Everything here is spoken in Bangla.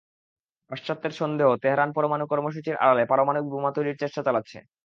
পাশ্চাত্যের সন্দেহ, তেহরান পরমাণু কর্মসূচির আড়ালে পারমাণবিক বোমা তৈরির চেষ্টা চালাচ্ছে।